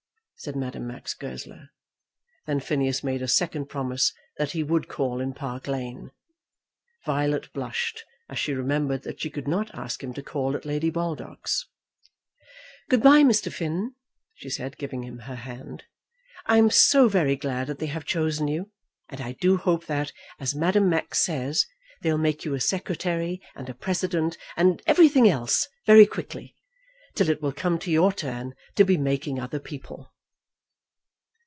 said Madame Max Goesler. Then Phineas made a second promise that he would call in Park Lane. Violet blushed as she remembered that she could not ask him to call at Lady Baldock's. "Good bye, Mr. Finn," she said, giving him her hand. "I'm so very glad that they have chosen you; and I do hope that, as Madame Max says, they'll make you a secretary and a president, and everything else very quickly, till it will come to your turn to be making other people."